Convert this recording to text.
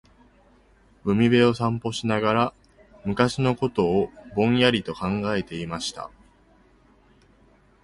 •海辺を散歩しながら、昔のことをぼんやりと考えていました。